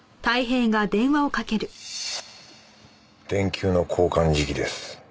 電球の交換時期です。